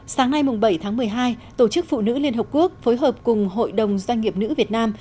sáng nay bảy tháng một mươi hai tổ chức phụ nữ liên hợp quốc phối hợp cùng hội đồng doanh nghiệp nữ việt nam